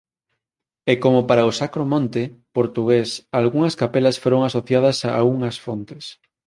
E como para o Sacro Monte portugués algunhas capelas foron asociadas a unhas fontes.